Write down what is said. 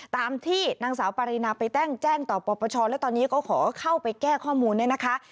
ตามที่นางสาวปารีนาไปแจ้งต่อปปชและตอนนี้เขาขอเข้าไปแก้ข้อมูล